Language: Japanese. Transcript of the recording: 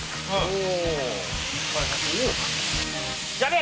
お。